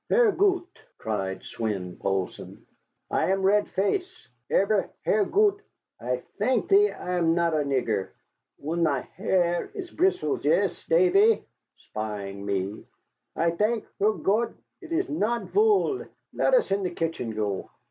"Herr Gott!" cried Swein Poulsson, "I am red face. Aber Herr Gott, I thank thee I am not a nigger. Und my hair is bristles, yes. Davy" (spying me), "I thank Herr Gott it is not vool. Let us in the kitchen go."